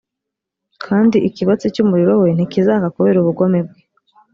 kandi ikibatsi cy’umuriro we ntikizaka kubera ubugome bwe